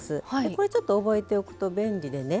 これちょっと覚えておくと便利でね